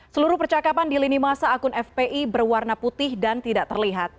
seluruh percakapan di lini masa akun fpi berwarna putih dan tidak terlihat